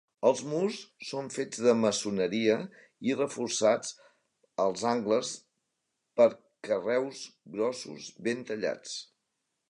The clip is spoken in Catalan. Els murs són fets de maçoneria i reforçats als angles per carreus grossos ben tallats.